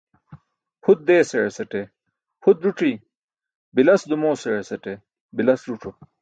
Pʰut deesaẏasate pʰut ẓuc̣i, bilas Dumoosaẏasate bilas ẓuc̣o.